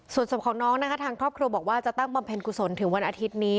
ส่วนศพของน้องนะคะทางครอบครัวบอกว่าจะตั้งบำเพ็ญกุศลถึงวันอาทิตย์นี้